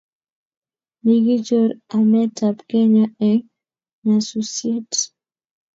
migichor emetab Kenya eng nyasusiet